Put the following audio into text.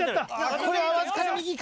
これはわずかに右か？